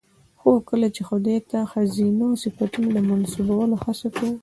خو کله چې خداى ته د ښځينه صفتونو د منسوبولو هڅه کوو